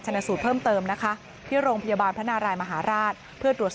สูตรเพิ่มเติมนะคะที่โรงพยาบาลพระนารายมหาราชเพื่อตรวจสอบ